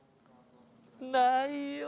ないよ。